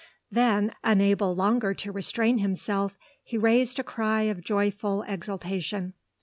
Then, unable longer to restrain himself, he raised a cry of joyful exultation.